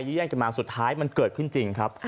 แย่งกันมาสุดท้ายมันเกิดขึ้นจริงครับ